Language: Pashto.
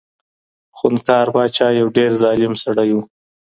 خونکار پاچا یو ډېر ظالم سړی و.